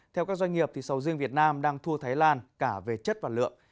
theo các doanh nghiệp sầu riêng việt nam đang thua thái lan cả về chất và lượng